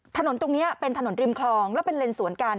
ถนนตรงนี้เป็นถนนริมคลองแล้วเป็นเลนสวนกัน